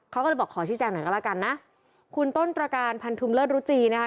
เขาก็เลยบอกขอชี้แจงหน่อยก็แล้วกันนะคุณต้นตรการพันธุมเลิศรุจีนะคะ